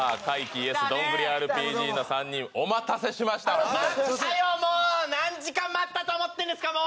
ＹｅｓどんぐりＲＰＧの３人お待たせしました待ったよもう何時間待ったと思ってんですかもう！